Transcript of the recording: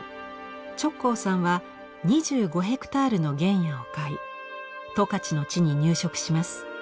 直行さんは２５ヘクタールの原野を買い十勝の地に入植します。